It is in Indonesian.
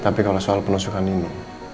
tapi kalau soal penusukan nino